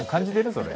それ。